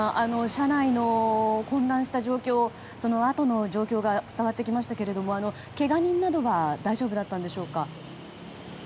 車内の混乱した状況そのあとの状況が伝わってきましたがけが人などは大丈夫だったのでしょうか。